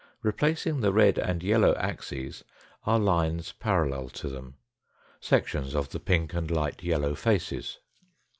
Replacing the red and yellow axes are lines parallel to them, sections of the pink and light .yellow faces.